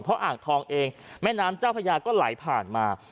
เพราะอ่างทองเองแม่น้ำเจ้าพญาก็ไหลผ่านมา